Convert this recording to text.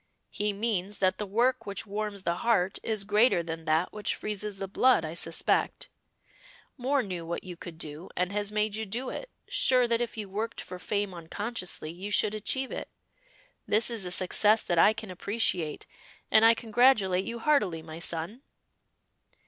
"He means that the work which warms the heart is greater than that which freezes the blood, I suspect. Moor knew what you could do and has made you do it, sure that if you worked for fame unconsciously you should achieve it. This is a success that I can appreciate, and I congratulate you heartily, my son."